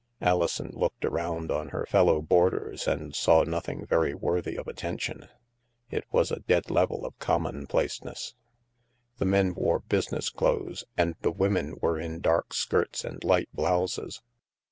Alison looked around on her fellow boarders and saw nothing very worthy of attention; it was a dead level of commonplaceness. The men wore business clothes, and the women were in dark skirts and light blouses.